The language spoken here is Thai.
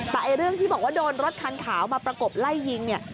แต่เรื่องที่บอกว่าโดนรถคันขาวมาประกบไล่ยิงเนี่ย